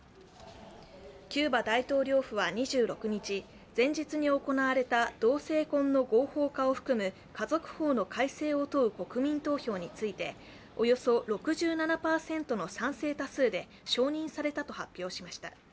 キューバ大統領府は２６日前日に行われた同性婚の合法化を含む家族法の改正を問う国民投票についておよそ６７％の賛成多数で承認されたと発表しました。